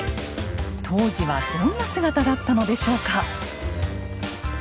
当時はどんな姿だったのでしょうか。